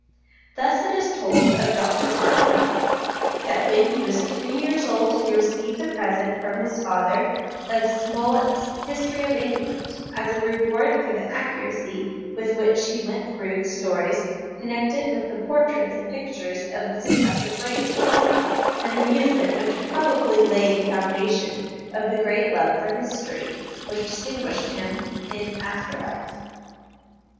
Thus it is told of Dr Arnold that when he 1/ HOME EDUCATION was three years old he received a present from his father of Smollett's History of England as a reward for the accuracy with which he went through the stories connected with the portraits and pictures of the successive reigns an amusement which probably laid the foundation of the great love for history which distinguished him in after life.